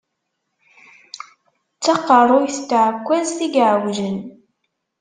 D taqerruyt n tɛekkwazt i yeɛewjen.